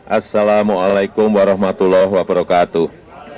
assalamu'alaikum warahmatullahi wabarakatuh